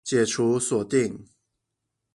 解除鎖定